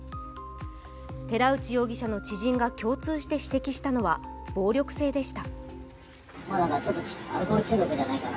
寺内容疑者の知人が共通して指摘したのは暴力性でした。